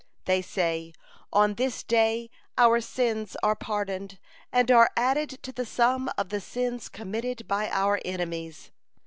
They say: 'On this day our sins are pardoned, and are added to the sum of the sins committed by our enemies.'